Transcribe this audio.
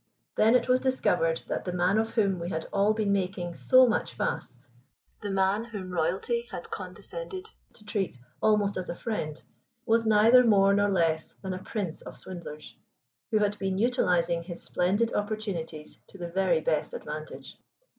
Then it was discovered that the man of whom we had all been making so much fuss, the man whom royalty had condescended to treat almost as a friend, was neither more nor less than a Prince of Swindlers, who had been utilizing his splendid opportunities to the very best advantage.